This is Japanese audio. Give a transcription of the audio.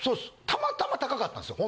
たまたま高かったんですよ